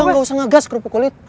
yaudah gausah ngegas kerupuk kulit